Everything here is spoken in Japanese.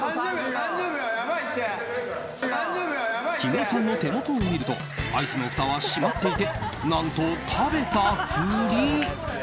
木村さんの手元を見るとアイスのふたは閉まっていて何と食べたふり。